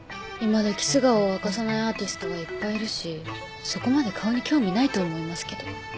今どき素顔を明かさないアーティストはいっぱいいるしそこまで顔に興味ないと思いますけど。